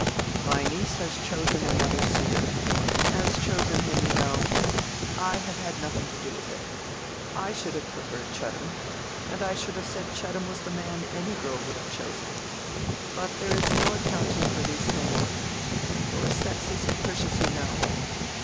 "My niece has chosen another suitor—has chosen him, you know. I have had nothing to do with it. I should have preferred Chettam; and I should have said Chettam was the man any girl would have chosen. But there is no accounting for these things. Your sex is capricious, you know."